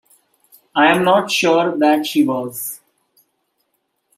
I'm not sure that she was.